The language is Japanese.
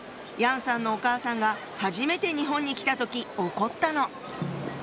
楊さんのお母さんが初めて日本に来た時起こったの。